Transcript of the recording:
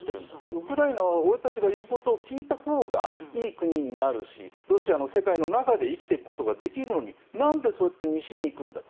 ウクライナは俺たちが言うことを聞いたほうがいい国になるしロシアの世界の中で生きていくことができるのに何でそうやって西に行くんだと。